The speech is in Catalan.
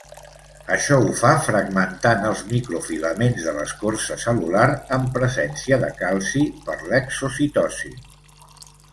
Això ho fa fragmentant els microfilaments de l'escorça cel·lular, en presència de calci, per l'exocitosi.